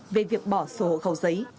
về việc bỏ sổ khẩu giấy